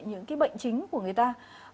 những cái bệnh chính của người ta